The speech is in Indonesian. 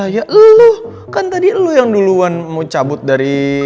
ya lo kan tadi lo yang duluan mau cabut dari